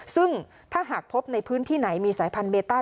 ซึ่งถ้าหากพบในพื้นที่ไหนมีสายพันธุเบต้า